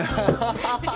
ハハハハ。